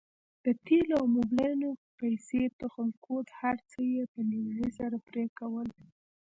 د تېلو او موبلينو پيسې تخم کود هرڅه يې په نيمايي سره پرې کول.